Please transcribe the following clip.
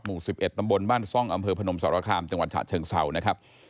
หมู่๑๑ตำบลบ้านซ่องอำเภอพนมสารคามจังหวัดฉะเชิงเศร้านะครับ